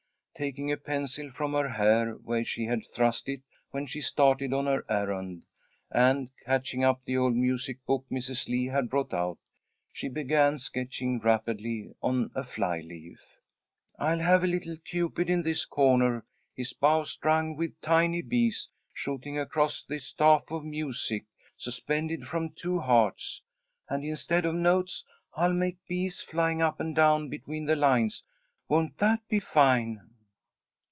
Taking a pencil from her hair, where she had thrust it when she started on her errand, and catching up the old music book Mrs. Lee had brought out, she began sketching rapidly on a fly leaf. "I'll have a little Cupid in this corner, his bow strung with tiny bees, shooting across this staff of music, suspended from two hearts. And instead of notes I'll make bees, flying up and down between the lines. Won't that be fine?"